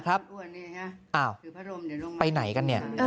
อ้าวไปไหนกันเนี่ย